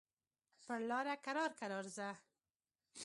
پر لاره کرار کرار ځه.